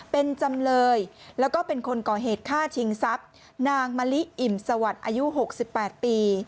เป็นจำเลยแล้วก็เป็นคนก่อเหตุฆ่าชิงทรัพย์นางมะลิอิ่มสวัสดิ์อายุ๖๘ปี